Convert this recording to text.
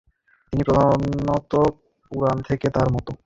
তিনি প্রধানত পুরাণ থেকে তাঁর মত-স্থাপনের জন্য শ্লোক উদ্ধৃত করেছেন।